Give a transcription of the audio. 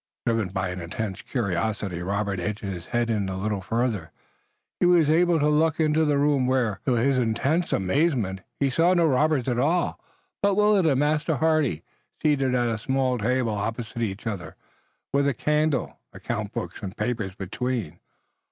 Driven by an intense curiosity, Robert edged his head a little farther forward, and was able to look into the room, where, to his intense amazement, he saw no robbers at all, but Willet and Master Hardy seated at a small table opposite each other, with a candle, account books and papers between.